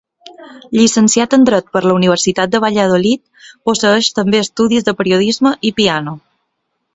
Llicenciat en Dret per la Universitat de Valladolid, posseeix també estudis de periodisme i piano.